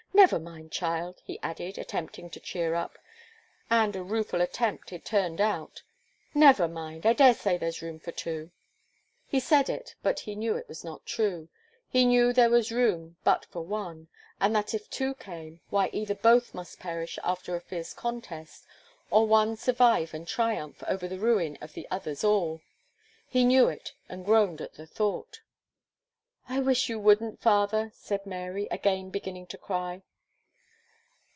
"Never mind, child," he added, attempting to cheer up, and a rueful attempt it turned out, "never mind, I dare say there's room for two." He said it, but he knew it was not true; he knew there was room but for one, and that if two came, why, either both must perish after a fierce contest, or one survive and triumph over the ruin of the other's all. He knew it, and groaned at the thought. "I wish you wouldn't father," said Mary, again beginning to cry.